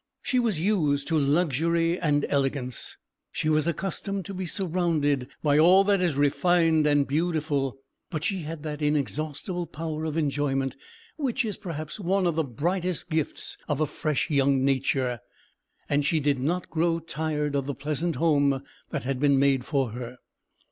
She was used to luxury and elegance: she was accustomed to be surrounded by all that is refined and beautiful: but she had that inexhaustible power of enjoyment which is perhaps one of the brightest gifts of a fresh young nature: and she did not grow tired of the pleasant home that had been made for her.